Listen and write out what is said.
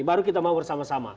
baru kita mau bersama sama